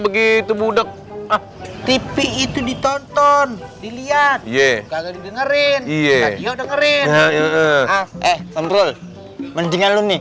begitu muda ah tv itu ditonton dilihat dengerin dengerin eh menjengkel nih